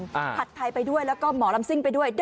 ผัดไทยไปด้วยแล้วก็หมอลำซิ่งไปด้วย